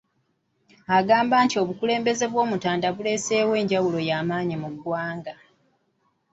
Agamba nti obukulembeze bw'Omutanda buleseewo enjawulo y'amaanyi mu ggwanga.